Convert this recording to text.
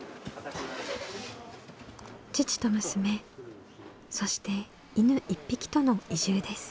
父と娘そして犬１匹との移住です。